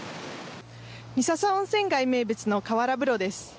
三朝温泉街名物の河原風呂です。